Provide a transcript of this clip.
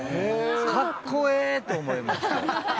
格好ええ！と思いました。